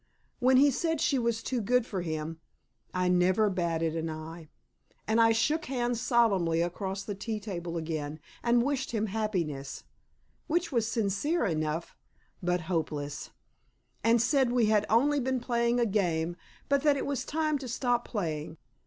When he said she was too good for him, I never batted an eye. And I shook hands solemnly across the tea table again, and wished him happiness which was sincere enough, but hopeless and said we had only been playing a game, but that it was time to stop playing.